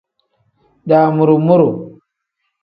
Damuru-muru.